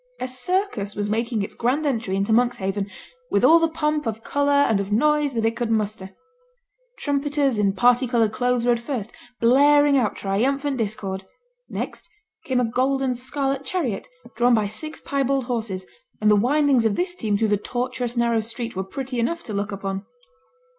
A circus was making its grand entry into Monkshaven, with all the pomp of colour and of noise that it could muster. Trumpeters in parti coloured clothes rode first, blaring out triumphant discord. Next came a gold and scarlet chariot drawn by six piebald horses, and the windings of this team through the tortuous narrow street were pretty enough to look upon.